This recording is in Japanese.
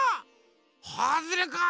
ハズレか！